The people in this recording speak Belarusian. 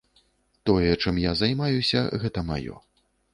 Тое, чым я займаюся, гэта маё.